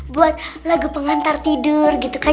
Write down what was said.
buat lagu pengantar tidur gitu kan